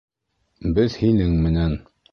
Беҙ һинең менән.